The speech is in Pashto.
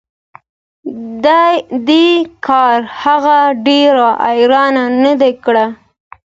دې کار هغه ډیره حیرانه نه کړه